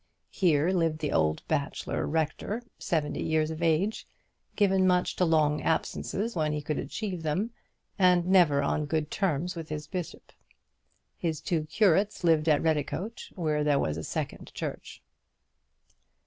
Here lived the old bachelor rector, seventy years of age, given much to long absences when he could achieve them, and never on good terms with his bishop. His two curates lived at Redicote, where there was a second church.